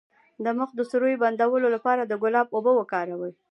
د مخ د سوریو د بندولو لپاره د ګلاب اوبه وکاروئ